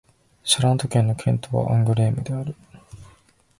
シャラント県の県都はアングレームである